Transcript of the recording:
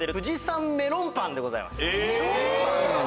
メロンパンなんだ。